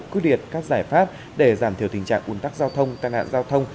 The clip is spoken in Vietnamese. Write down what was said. quyết liệt các giải pháp để giảm thiểu tình trạng ủn tắc giao thông tai nạn giao thông